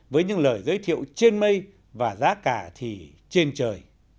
với những lời giới thiệu trên mây và giá cả thì trên trời